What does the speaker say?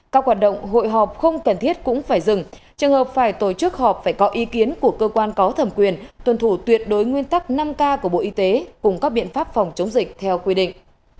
các hoạt động hội họp không cần thiết cũng phải dừng trường hợp phải tổ chức họp phải có ý kiến của cơ quan có thẩm quyền tuân thủ tuyệt đối nguyên tắc năm k của bộ y tế cùng các biện pháp phòng chống dịch theo quy định